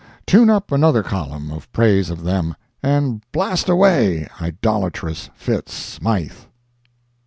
Tune up another column of [praise of] them, and blast away, idolatrous Fitz Smythe!